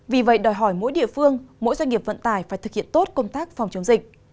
vì vậy đòi hỏi mỗi địa phương mỗi doanh nghiệp vận tải phải thực hiện tốt công tác phòng chống dịch